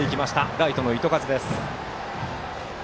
ライトの糸数です。